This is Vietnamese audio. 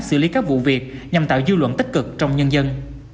xử lý các vụ việc nhằm tạo dư luận tích cực trong nhân dân